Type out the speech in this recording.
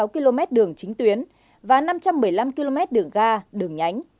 hai sáu trăm bốn mươi sáu km đường chính tuyến và năm trăm một mươi năm km đường ga đường nhánh